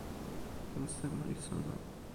jan seme li sona?